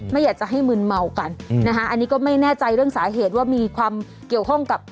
ไม่อยากจะให้มืนเมากันนะคะอันนี้ก็ไม่แน่ใจเรื่องสาเหตุว่ามีความเกี่ยวข้องกับ